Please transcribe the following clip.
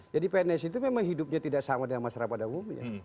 jadi pns itu memang hidupnya tidak sama dengan masyarakat umumnya